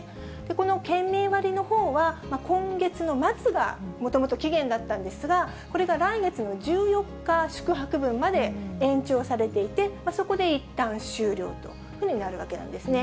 この県民割のほうは、今月の末がもともと期限だったんですが、これが来月の１４日宿泊分まで延長されていて、そこでいったん終了というふうになるわけなんですね。